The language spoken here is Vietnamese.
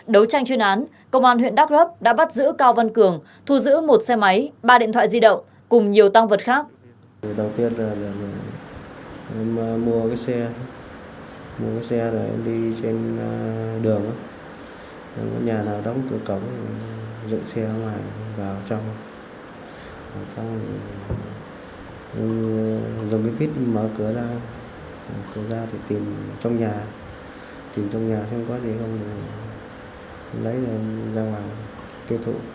đấu tranh chuyên án công an huyện đắc rớp đã bắt giữ cao văn cường thu giữ một xe máy ba điện thoại di động cùng nhiều tăng vật khác